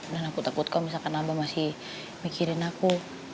dan aku takut kalau misalkan abah masih mikirin aku